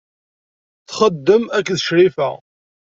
Txeddem akked Crifa.